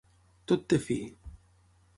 Tot té fi.